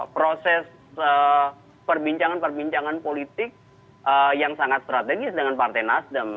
proses perbincangan perbincangan politik yang sangat strategis dengan partai nasdem